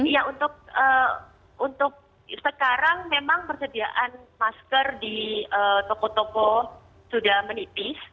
ya untuk sekarang memang persediaan masker di toko toko sudah menipis